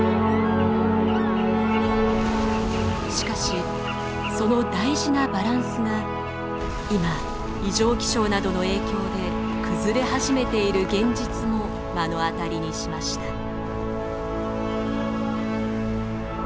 しかしその大事なバランスが今異常気象などの影響で崩れ始めている現実も目の当たりにしました。